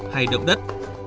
hay đậm đất